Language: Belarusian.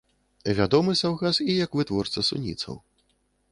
Вядомы саўгас і як вытворца суніцаў.